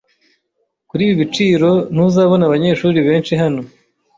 Kuri ibi biciro, ntuzabona abanyeshuri benshi hano